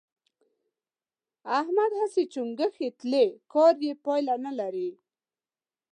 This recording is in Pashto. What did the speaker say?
احمد هسې چنګوښې تلي؛ کار يې پايله نه لري.